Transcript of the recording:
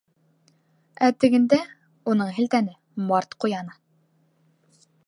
Ә тегендә, — уңын һелтәне, — Март Ҡуяны.